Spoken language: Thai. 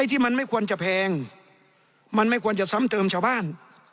ที่มันไม่ควรจะแพงมันไม่ควรจะซ้ำเติมชาวบ้าน